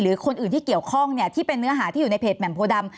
คนอื่นที่เกี่ยวข้องเนี่ยที่เป็นเนื้อหาที่อยู่ในเพจแหม่มโพดำ